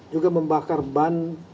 juga membakar ban